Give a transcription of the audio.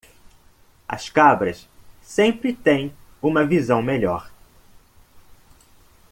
As cabras sempre têm uma visão melhor.